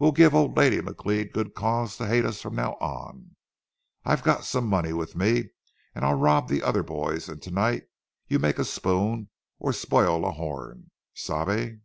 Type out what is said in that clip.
We'll give old lady McLeod good cause to hate us from now on. I've got some money with me, and I'll rob the other boys, and to night you make a spoon or spoil a horn. Sabe?"